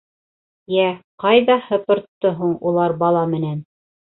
Йә, ҡайҙа һыпыртты һуң улар бала менән?